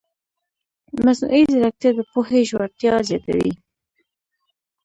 مصنوعي ځیرکتیا د پوهې ژورتیا زیاتوي.